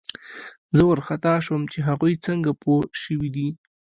زه وارخطا شوم چې هغوی څنګه پوه شوي دي